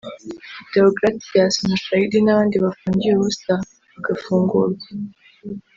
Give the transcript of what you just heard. Déogratias Mushayidi n’abandi bafungiye ubusa bagafungurwa